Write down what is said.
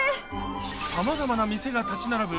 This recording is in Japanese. さまざまな店が立ち並ぶ